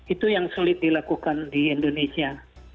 itu yang sulit dilakukan di indonesia